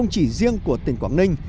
chỉ riêng của tỉnh quảng ninh